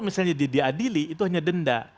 misalnya diadili itu hanya denda